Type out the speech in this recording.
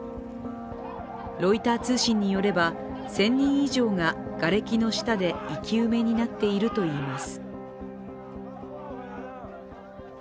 ロイター通信によれば１０００人以上ががれきの下で生き埋めになっているといいます